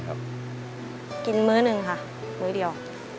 กินมื้อหนึ่งค่ะมื้อเดียว